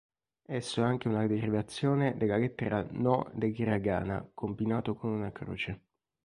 Esso è anche una derivazione della lettera "no" dell'hiragana combinato con una croce.